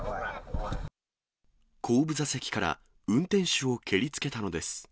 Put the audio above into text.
後部座席から運転手を蹴りつけたのです。